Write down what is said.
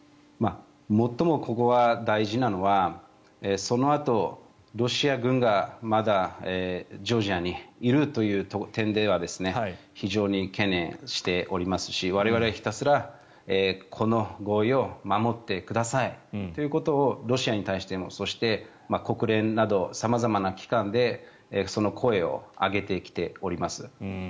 最もここが大事なのはそのあと、ロシア軍がまだジョージアにいるという点では非常に懸念しておりますし我々、ひたすらこの合意を守ってくださいということをロシアに対してそして国連など様々な機関でその声を上げてきております。